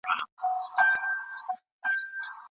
افغان ماشومان د سولي په نړیوالو خبرو کي برخه نه لري.